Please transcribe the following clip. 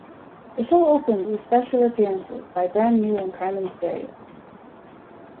The show opened with special appearances by Brand New and Crime In Stereo.